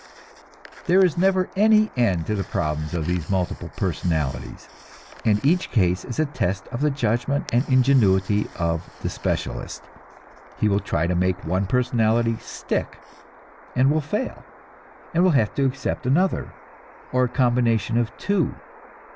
There is never any end to the problems of these multiple personalities, and each case is a test of the judgment and ingenuity of the specialist. He will try to make one personality "stick," and will fail, and will have to accept another, or a combination of two.